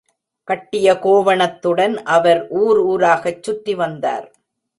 கட்டிய கோவணத்துடன் அவர் ஊர் ஊராகச் சுற்றி வந்தார்.